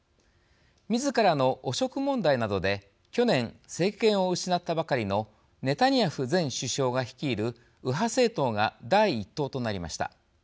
みずからの汚職問題などで去年、政権を失ったばかりのネタニヤフ前首相が率いる右派政党が、第１党となりました。